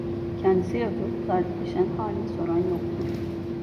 Kendisiyle oturup dertleşen, halini soran yoktu.